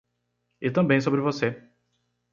E também sobre você!